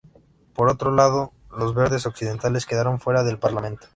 Por otro lado, Los Verdes occidentales quedaron fuera del parlamento.